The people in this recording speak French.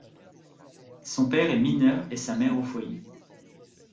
Son père est mineur et sa mère au foyer.